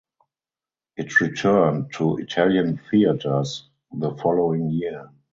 It returned to Italian theatres the following year.